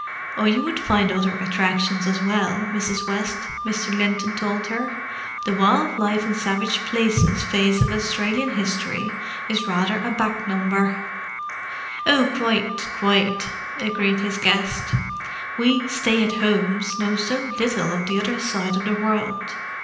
"Oh, you would find other attractions as well, Mrs. West," Mr. Linton told her. "The 'wild life in savage places' phase of Australian history is rather a back number." "Oh, quite—quite," agreed his guest. "We stay at homes know so little of the other side of the world.